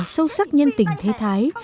sâu sắc nhân tình thế thái